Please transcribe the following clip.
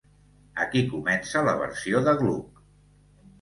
Aquí comença la versió de Gluck.